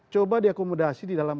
coba diakomodasi di dalam